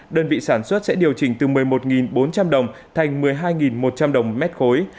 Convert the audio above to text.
đơn vị sản xuất sẽ điều chỉnh từ một mươi một bốn trăm linh đồng thành một mươi hai một trăm linh đồng một mét khối